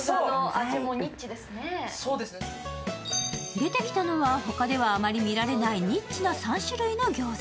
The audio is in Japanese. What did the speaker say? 出てきたのは、他ではあまり見られないニッチな３種類の餃子。